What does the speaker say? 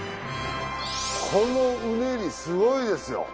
このうねりすごいですよ。